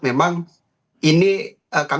memang ini kami